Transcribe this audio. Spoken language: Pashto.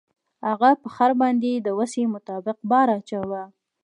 هغه په خر باندې د وسې مطابق بار اچاوه.